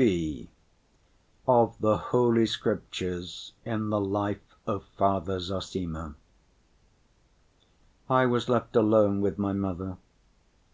(b) Of the Holy Scriptures in the Life of Father Zossima I was left alone with my mother.